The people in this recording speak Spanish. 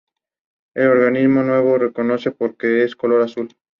El organismo nuevo se reconoce por que es de color azul.